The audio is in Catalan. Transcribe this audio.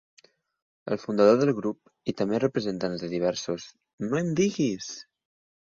El fundador del grup, i també representants de diversos "No em diguis!".